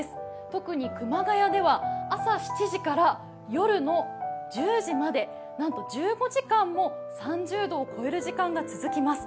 特に熊谷では朝７時から夜の１０時まで、なんと１５時間も３０度を超える時間が続きます。